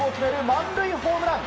満塁ホームラン！